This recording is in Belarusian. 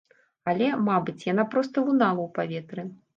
Але, мабыць, яна проста лунала ў паветры.